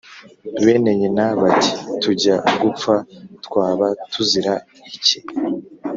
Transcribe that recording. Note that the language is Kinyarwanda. Bene nyina bati: "Tujya gupfa twaba tuzira iki?"